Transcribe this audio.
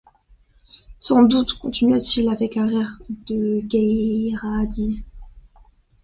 Sans doute, continua-t-il avec un rire de gaillardise.